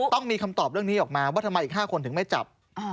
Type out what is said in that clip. ต้องมีคำตอบเรื่องนี้ออกมาว่าทำไมอีก๕คนถึงไม่จับ